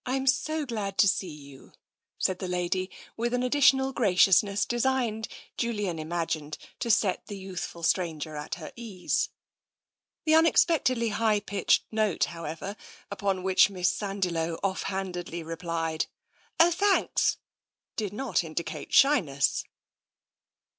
Fm so glad to see you,'' said the lady, with an additional graciousness designed, Julian imagined, to set the youthful stranger at her ease. The unexpectedly high pitched note, however, upon which Miss Sandiloe of? handedly replied, " Oh, thanks !" did not indicate shyness.